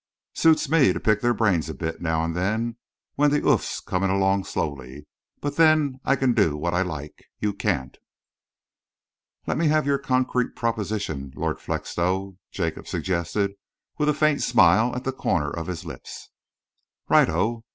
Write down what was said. Suits me to pick their brains a bit, now and then, when the oof's coming along slowly, but then I can do what I like you can't." "Let me have your concrete proposition, Lord Felixstowe," Jacob suggested, with a faint smile at the corner of his lips. "Righto!